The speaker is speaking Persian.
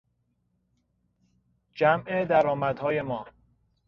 جمع درآمدهای ما